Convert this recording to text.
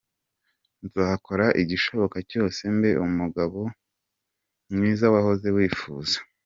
Nzakora igishoboka cyose mbe umugabo mwiza wahoze wifuza.